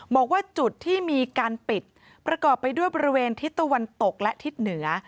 บอกว่าจุดที่มีการปิดประกอบไปด้วยบริเวณทิศตะวันตกและทิศเหนือ